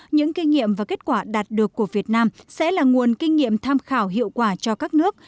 những kinh nghiệm và kết quả đạt được của việt nam sẽ là nguồn kinh nghiệm tham khảo hiệu quả cho các nước